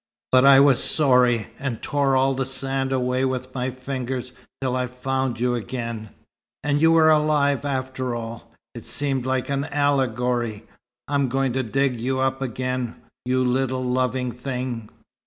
But I was sorry, and tore all the sand away with my fingers till I found you again and you were alive after all. It seemed like an allegory. I'm going to dig you up again, you little loving thing!"